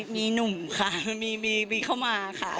มีหนุ่มค่ะมีเข้ามาค่ะ